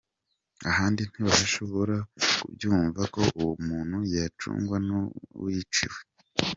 Ahandi ntibashobora kubyumva ko uwo muntu yacungwa n’uwiciwe.